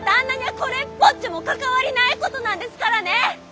これっぽっちも関わりないことなんですからね！